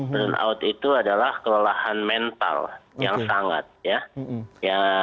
burnout itu adalah kelelahan mental yang sangat ya